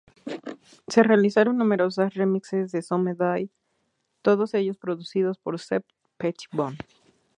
Se realizaron numerosos remixes de "Someday", todos ellos producidos por Shep Pettibone.